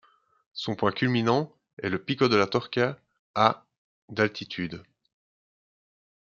Son point culminant est le pico de la Torca à d'altitude.